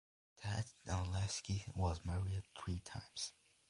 Tad Danielewski was married three times.